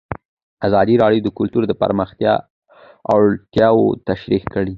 ازادي راډیو د کلتور د پراختیا اړتیاوې تشریح کړي.